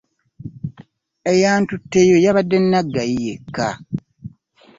Eyantutteyo yabadde Naggayi yekka.